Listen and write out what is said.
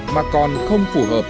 mà còn không phù hợp